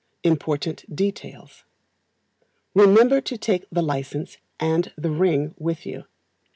Important Details. Remember to take the License and the Ring with you.